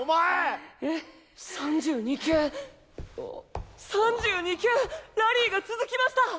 ３２球３２球ラリーが続きました！